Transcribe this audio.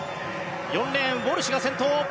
４レーン、ウォルシュが先頭。